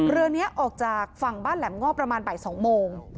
เรือนี้ออกจากฝั่งบ้านแหลมงอบประมาณบ่าย๒โมง